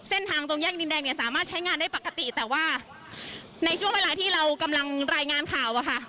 เส้นทางตรงแยกดินแดงเนี่ยสามารถใช้งานได้ปกติแต่ว่าในช่วงเวลาที่เรากำลังรายงานข่าวอะค่ะ